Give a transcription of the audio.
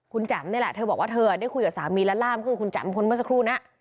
คุณแจ๋มนี่แหละเธอบอกว่าเธอได้คุยกับสามีและล่ามก็คือคุณแจ่มคนเมื่อสักครู่นะ